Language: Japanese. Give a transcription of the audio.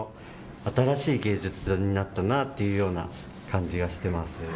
新しい芸術になったなというような感じがしてます。